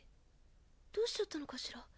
どうしちゃったのかしら？